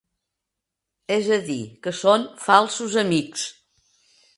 És a dir, que són falsos amics.